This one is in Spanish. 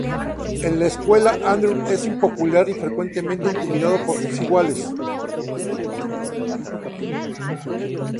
En la escuela, Andrew es impopular y frecuentemente intimidado por sus iguales.